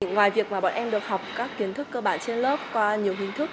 ngoài việc bọn em được học các kiến thức cơ bản trên lớp qua nhiều hình thức